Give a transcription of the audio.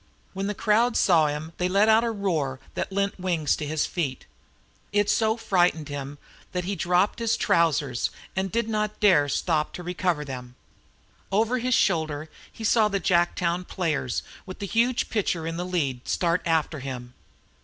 When the crowd saw him they let out a roar that lent wings to his feet. It frightened him so that he dropped his trousers, and did not dare stop to recover them. Over his shoulder he saw the Jacktown players, with the huge pitcher in the lead, start after him.